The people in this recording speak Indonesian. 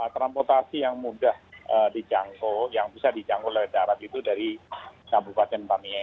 kampotasi yang mudah dicangkul yang bisa dicangkul dari darat itu dari kabupaten paniai